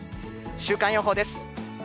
週間予報です。